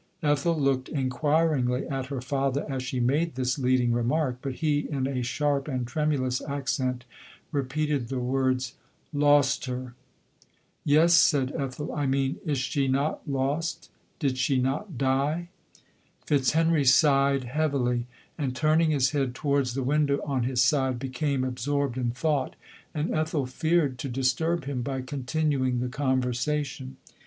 Ethel looked inquiringly at her father as she made this leading remark ; but he in a sharp and tremulous accent repeated the w< " Lost her !"" Yes,"' said Ethel, " I mean, is she not 1< — did she not die?"" Fitzhenry sighed heavily, and turning his head towards the window on his side, became absorbed in thought, and Ethel feared to dis turb him by continuing the conversation.